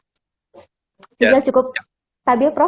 sudah cukup stabil prof